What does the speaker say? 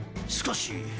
しかし。